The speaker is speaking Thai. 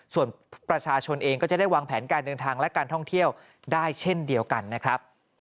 ส่วนประชาชนเองก็จะได้วางแผนการเดินทางและการท่องเที่ยวได้เช่นเดียวกันนะครับ